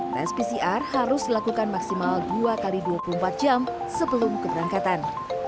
tes pcr harus dilakukan maksimal dua x dua puluh empat jam sebelum keberangkatan